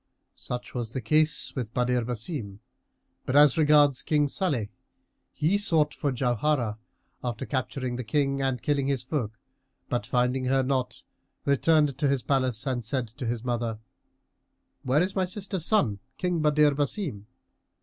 Such was the case with Badr Basim; but as regards King Salih he sought for Jauharah after capturing the King and killing his folk; but, finding her not, returned to his palace and said to his mother, "Where is my sister's son, King Badr Basim?"